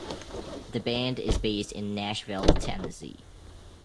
The band is based in Nashville, Tennessee.